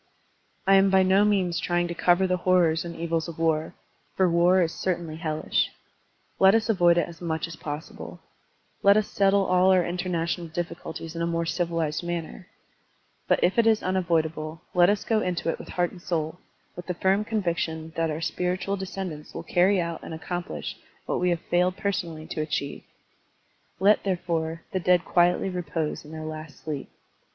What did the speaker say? I am by no means trying to cover the horrors and evils of war, for war is certainly hellish. Let us avoid it as much as possible. Let us Digitized by Google 214 SERMONS OP A BUDDHIST ABBOT settle all our international difficulties in a more civilized manner. But if it is unavoidable, let us go into it with heart and soul, with the firm conviction that our spiritual descendants will carry out and accomplish what we have failed personally to achieve. Let, therefore, the dead quietly repose in their last sleep.